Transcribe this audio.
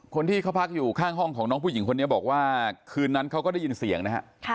คนที่เขาพักอยู่ข้างห้องของน้องผู้หญิงคนนี้บอกว่าคืนนั้นเขาก็ได้ยินเสียงนะฮะ